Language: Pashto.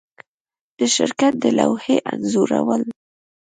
د شرکت د لوحې انځورول